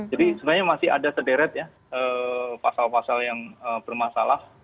jadi sebenarnya masih ada sederet ya pasal pasal yang bermasalah